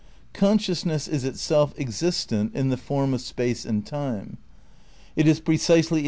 Consciousness is itself existent in the form of space and time. It is precisely in.